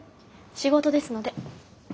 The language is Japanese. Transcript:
仕事ですので。